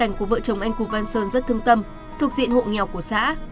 anh cục văn sơn rất thương tâm thuộc diện hộ nghèo của xã